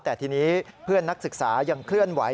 แต่ทีนี้เพื่อนนักศึกษายังเคลื่อนไหว